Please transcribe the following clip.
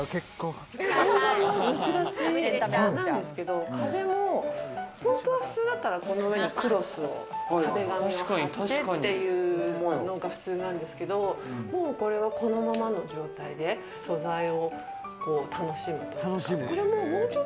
天井もむき出しなんですけど、壁も本当は普通だったら、この上にクロスを貼る、壁紙を貼ってっていうのが普通なんですけど、もうこれはこのままの状態で、素材を楽しむというか。